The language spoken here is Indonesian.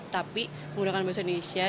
tapi menggunakan bahasa indonesia